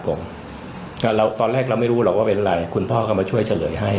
ตอนแรกเราไม่รู้หรอกว่าเป็นอะไรคุณพ่อก็มาช่วยเฉลยให้